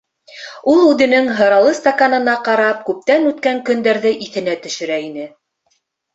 Ул үҙенең һыралы стаканына ҡарап күптән үткән көндәрҙе иҫенә төшөрә ине.